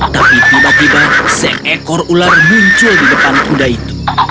tapi tiba tiba seekor ular muncul di depan kuda itu